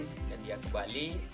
kembali ke bali